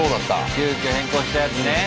急きょ変更したやつね。